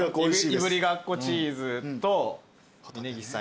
いぶりがっこチーズと峯岸さん